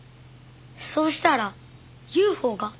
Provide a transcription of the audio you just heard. そうしたらＵＦＯが。